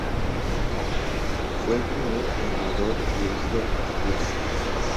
Fue el primer armador de Isla Cristina.